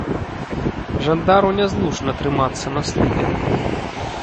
Жандару нязручна трымацца на слупе.